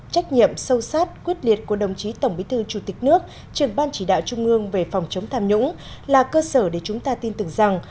trách nhiệm sâu sát quyết liệt của đồng chí tổng bí thư chủ tịch nước trường ban chỉ đạo trung ương về phòng chống tham nhũng là cơ sở để chúng ta tin tưởng rằng